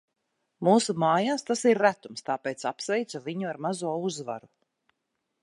Mūsu mājās tas ir retums, tāpēc apsveicu viņu ar mazo uzvaru.